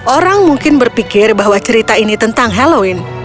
orang mungkin berpikir bahwa cerita ini tentang halloween